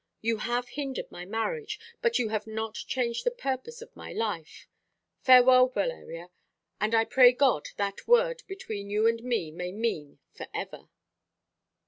You have hindered my marriage, but you have not changed the purpose of my life. Farewell, Valeria, and I pray God that word between you and me may mean for ever."